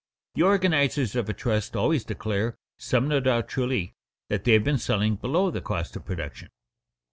The organizers of a trust always declare, some no doubt truly, that they have been selling below the cost of production.